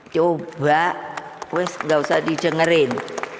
coba gak usah dijengerin